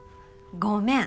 ごめん。